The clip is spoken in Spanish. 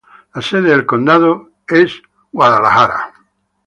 La sede del condado es Gaylord.